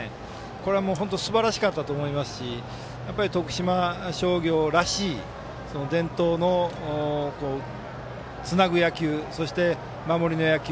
これは、すばらしかったと思いますし徳島商業らしい伝統のつなぐ野球、それと守りの野球